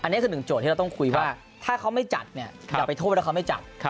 อันนี้คือหนึ่งโจทย์ที่เราต้องคุยว่าถ้าเขาไม่จัดเนี่ยอย่าไปโทษว่าเขาไม่จับ